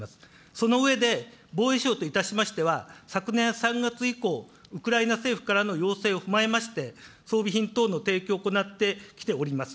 その上で、防衛省といたしましては、昨年３月以降、ウクライナ政府からの要請を踏まえまして、装備品等の提供を行ってきております。